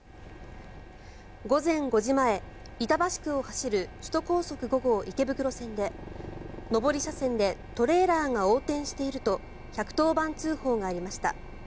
午前５時前、板橋区を走る首都高速５号池袋線で上り車線でトレーラーが横転していると１１０番通報がありました。